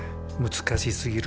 難しすぎる。